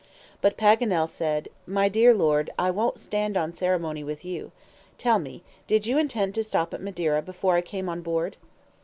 But Paganel said: "My dear Lord, I won't stand on ceremony with you. Tell me, did you intend to stop at Madeira before I came on board?"